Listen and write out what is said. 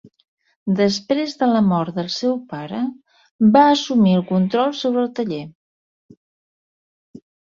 Després de la mort del seu pare, va assumir el control sobre el taller.